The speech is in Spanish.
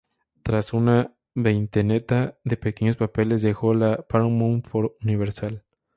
Tras una veintena de pequeños papeles dejó la Paramount por Universal.